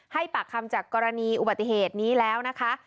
ให้ปากคำจากกรณีอุบัติเหตุนี้แล้วนะคะ